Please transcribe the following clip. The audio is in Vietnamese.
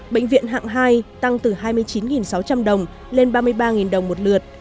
bệnh viện hạng hai tăng từ hai mươi chín sáu trăm linh đồng lên ba mươi ba đồng một lượt